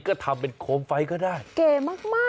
ก็ทำเป็นโคมไฟก็ได้เก๋มาก